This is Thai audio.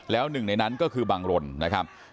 แล้วหนึ่งในนั้นก็คือบังรนนะครับ